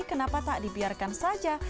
kenapa tak dibiarkan saja